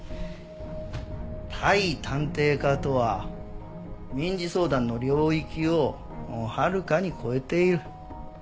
対探偵課とは民事相談の領域をはるかに超えている。